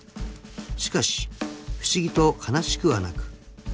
［しかし不思議と悲しくはなく］